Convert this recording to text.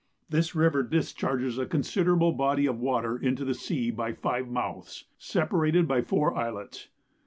This river discharges a considerable body of water into the sea by five mouths, separated by four islets.